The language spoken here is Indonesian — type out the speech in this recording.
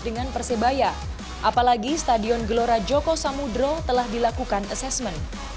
dengan persebaya apalagi stadion gelora joko samudro telah dilakukan assessment